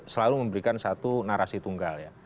selalu memberikan satu narasi tunggal ya